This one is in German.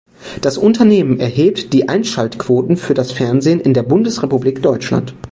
Das Unternehmen erhebt die Einschaltquoten für das Fernsehen in der Bundesrepublik Deutschland.